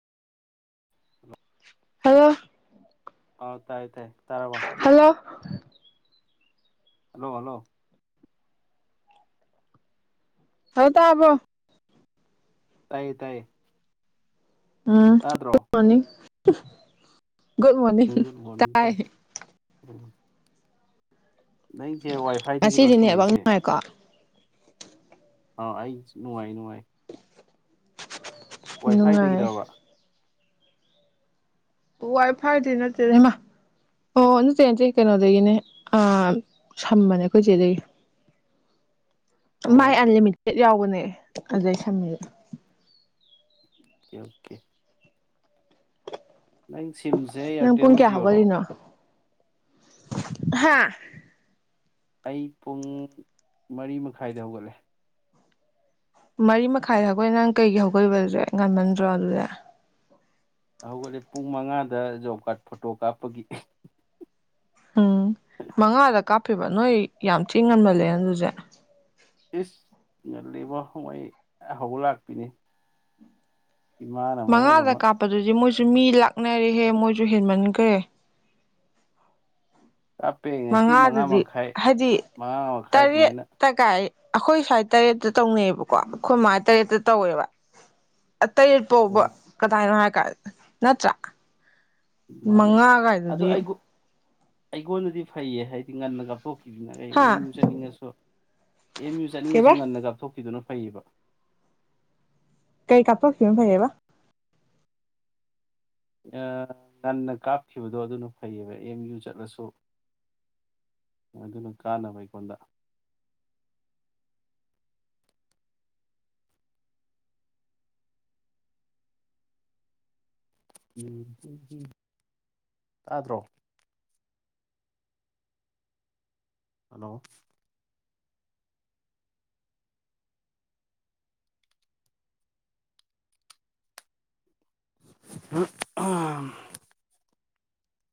hello ꯍꯥꯎ ꯇꯥꯏ ꯇꯥꯏ ꯇꯥꯔꯕ ꯍꯜꯂꯣ ꯍꯜꯂꯣ ꯍꯜꯂꯣ ꯍꯜꯂꯣ ꯇꯥꯕꯔꯣ ꯇꯥꯏꯌꯦ ꯇꯥꯏꯌꯦ ꯑꯝ ꯇꯥꯗ꯭ꯔꯣ ꯐꯅꯤ [inaudible] ꯒꯨꯠ ꯃꯣꯔꯅꯤꯡ ꯒꯨꯗ ꯃꯣꯔꯅꯤꯡ ꯇꯥꯏ ꯅꯩꯁꯦ ꯋꯥꯏꯐꯥꯏꯗꯒꯤꯔꯣ ꯉꯁꯤꯗꯤ ꯅꯦꯠꯋꯥꯛ ꯁꯝꯃꯛꯏꯁꯦ ꯅꯨꯡꯉꯥꯏꯀꯣ ꯑꯥ ꯑꯩ ꯅꯨꯡꯉꯥꯏꯔꯤ ꯅꯨꯡꯉꯥꯏ ꯅꯨꯡꯉꯥꯏ ꯋꯥꯏꯐꯥꯏꯗꯒꯤꯔꯕ ꯋꯥꯏ ꯐꯥꯏꯗꯤ ꯅꯠꯇꯦ ꯍꯩꯃꯥ ꯑꯣ ꯅꯠꯇꯦ ꯅꯠꯇꯦ ꯀꯩꯅꯣꯗꯒꯤꯅꯦ ꯑꯥ ꯁꯝꯕꯅꯦ ꯑꯩꯈꯣꯏꯆꯦꯗꯒꯤ ꯑꯣ ꯃꯥꯥꯏ ꯑꯜ ꯑꯣꯀꯦ ꯂꯤꯃꯤꯠ ꯅꯦꯠ ꯌꯥꯎꯕꯅꯦ ꯑꯗꯩ ꯁꯝꯃꯤ ꯑꯣꯀꯦ ꯑꯣꯀꯦ ꯅꯪ ꯁꯤꯝꯁꯦ ꯏꯌꯥꯔꯇꯦꯜ ꯂꯣ ꯖꯤꯑꯣꯔꯣ ꯍꯥ ꯑꯩ ꯄꯨꯡ ꯃꯔꯤ ꯃꯈꯥꯏꯗ ꯍꯧꯒꯠꯂꯦ ꯃꯔꯤ ꯃꯈꯥꯏ ꯍꯥꯏꯕ ꯅꯪ ꯀꯩꯒꯤ ꯍꯧꯒꯠꯂꯤꯕ ꯑꯗꯨꯗꯤ ꯉꯟꯃꯟꯗ꯭ꯔꯣ ꯑꯗꯨꯗꯤ ꯍꯧꯒꯠꯂꯦ ꯄꯨꯡ ꯃꯉꯥꯗ ꯖꯣꯕ ꯀꯥꯠ ꯐꯣꯇꯣ ꯀꯥꯞꯄꯒꯤ ꯎꯝ ꯃꯉꯥꯗ ꯀꯥꯞꯄꯤꯕ ꯅꯣꯏ ꯌꯥꯝ ꯊꯤ ꯉꯟꯃꯜꯂꯦ ꯑꯗꯨ [inaudible] ꯏꯁ ꯉꯟꯂꯤꯕꯣ ꯃꯣꯏ ꯍꯧꯕ ꯂꯥꯛꯄꯤꯅꯤ ꯏꯃꯥꯅ ꯃꯔꯣꯜ ꯃꯉꯥꯗ ꯑꯃ ꯀꯥꯞꯄꯗꯨꯗꯤ ꯃꯣꯏꯁꯨ ꯃꯤ ꯂꯥꯛꯅꯔꯦꯍꯦ ꯃꯣꯏꯁꯨ ꯍꯦꯟꯃꯟꯈ꯭ꯔꯦ ꯀꯥꯞꯄꯦ ꯉꯁꯤ ꯃꯉꯥ ꯃꯉꯥꯗꯨꯗꯤ ꯃꯈꯥꯏ ꯍꯥꯏꯗꯤ ꯃꯉꯥ ꯈꯔ ꯑꯗꯨꯃꯥꯏꯅ ꯇꯔꯦꯠꯇ ꯀꯥꯏ ꯑꯩꯈꯣꯏ ꯁ꯭ꯋꯥꯏ ꯇꯔꯦꯠꯇ ꯇꯧꯅꯩꯌꯦꯕꯀꯣ ꯑꯩꯈꯣꯏ ꯃꯥ ꯇꯔꯦꯠꯇ ꯇꯧꯋꯦꯕ ꯇꯔꯦꯠ ꯐꯥꯎꯕ ꯑꯣ ꯀꯗꯥꯏꯅꯣ ꯍꯥꯏ ꯅꯠꯇ꯭ꯔ ꯑꯗꯨꯃꯥꯏꯅ ꯃꯉꯥ ꯑꯗꯣ ꯒꯥꯏꯗꯨꯗꯤ ꯑꯩꯒꯣꯟ ꯑꯩꯉꯣꯟꯗꯗꯤ ꯐꯩꯌꯦ ꯍꯥꯏꯗꯤ ꯉꯟꯅꯒꯀꯣ ꯑꯩ ꯍꯥ ꯑꯦꯝ ꯌꯨ ꯆꯠꯅꯤꯡꯉꯁꯨ ꯑꯦꯝ ꯌꯨ ꯆꯠꯅꯤꯡꯉꯁꯨ ꯀꯩꯕ ꯉꯟꯅ ꯀꯥꯞꯊꯣꯛꯈꯤꯗꯨꯅ ꯐꯩꯌꯦꯕ ꯀꯩ ꯀꯥꯞ ꯊꯣꯛꯈꯤꯕ ꯐꯩꯌꯦꯕ ꯉꯟꯅ ꯀꯥꯞꯈꯤꯕꯗꯣ ꯑꯗꯨꯅ ꯐꯩꯌꯦꯕ ꯑꯦꯝ ꯌꯨ ꯆꯠꯂꯁꯨ ꯑꯗꯨꯅ ꯀꯥꯟꯅꯕ ꯑꯩꯉꯣꯟꯗ ꯎꯝ ꯇꯥꯗ꯭ꯔꯣ ꯍꯜꯂꯣ ꯑꯝ